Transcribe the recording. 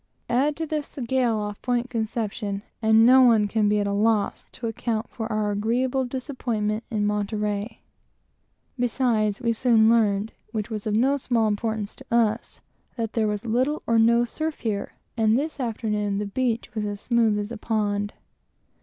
Add to this the gale off Point Conception, and no one can be at a loss to account for our agreeable disappointment in Monterey. Beside all this, we soon learned, which was of no small importance to us, that there was little or no surf here, and this afternoon the beach was as smooth as a duck pond.